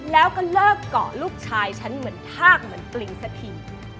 แล้วก็เลิกเกาะลูกชายฉันเหมือนทากเหมือนปลิงสักที